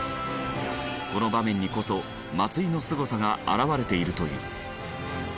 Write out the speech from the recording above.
この場面にこそ松井のすごさが表れているという。